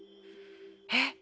えっ。